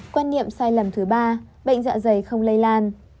quan niệm sai lầm thứ ba bệnh dạ dày không lây lan